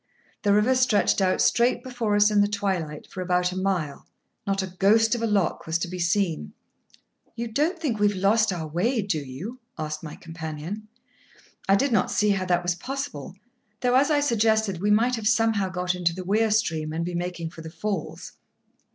The river stretched out straight before us in the twilight for about a mile; not a ghost of a lock was to be seen. "You don't think we have lost our way, do you?" asked my companion. I did not see how that was possible; though, as I suggested, we might have somehow got into the weir stream, and be making for the falls.